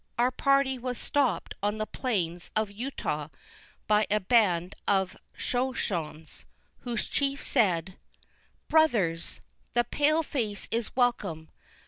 Our party was stopt on the plains of Utah by a band of Shoshones, whose chief said: "Brothers! the pale face is welcome.